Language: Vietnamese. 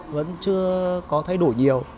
vẫn chưa có thay đổi nhiều